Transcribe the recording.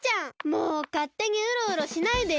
もうかってにうろうろしないでよ！